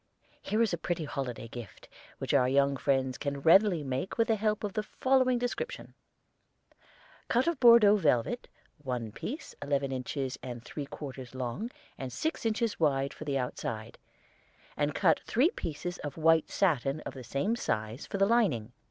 Here is a pretty holiday gift, which our young friends can readily make with the help of the following description: Cut of Bordeaux velvet one piece eleven inches and three quarters long and six inches wide for the outside, and cut three pieces of white satin of the same size for the lining.